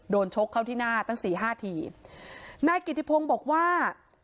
ชกเข้าที่หน้าตั้งสี่ห้าทีนายกิติพงศ์บอกว่า